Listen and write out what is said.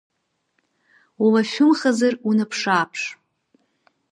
Улашәымхазар, унаԥшы-ааԥш!